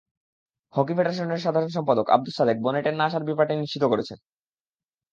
Hockey ফেডারেশনের সাধারণ সম্পাদক আবদুস সাদেক বনেটের না-আসার ব্যাপারটি নিশ্চিত করেছেন।